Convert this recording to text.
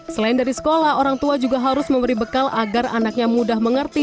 selain dari sekolah orang tua juga harus memberi bekal agar anaknya mudah mengerti